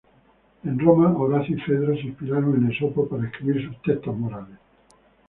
En Roma, Horacio y Fedro se inspiraron en Esopo para escribir sus textos morales.